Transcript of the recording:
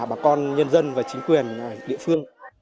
bà con nhân dân và chính quyền địa phương